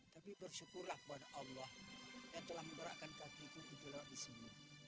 tapi bersyukurlah kepada allah yang telah memberakkan kakiku untuk lewat di sini